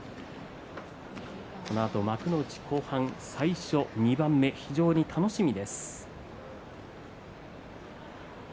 このあと幕内後半、最初の２番目非常に楽しみな取組です。